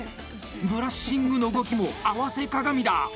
ブラッシングの動きも合わせ鏡だ。